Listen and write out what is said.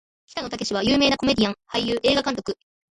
北野武は有名なコメディアン・俳優・映画監督